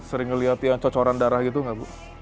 sering ngeliat yang cocoran darah gitu nggak bu